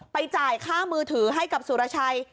จ่ายค่ามือถือให้กับสุรชัย